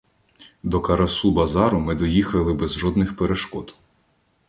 До Карасу-Базару ми доїхали без жодних перешкод.